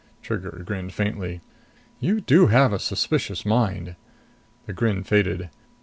Trigger grinned faintly. "You do have a suspicious mind!" The grin faded.